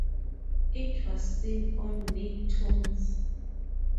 It was seen on Nicktoons.